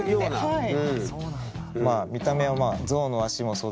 はい。